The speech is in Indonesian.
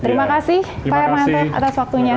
terima kasih pak hermanto atas waktunya